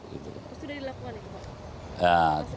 itu sudah dilakukan